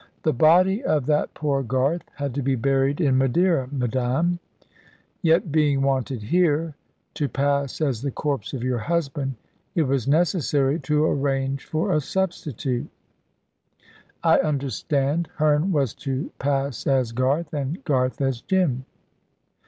"The body of that poor Garth had to be buried in Madeira, madame; yet, being wanted here, to pass as the corpse of your husband, it was necessary to arrange for a substitute." "I understand. Herne was to pass as Garth, and Garth as Jim."